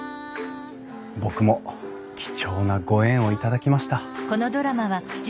僕も貴重なご縁を頂きました。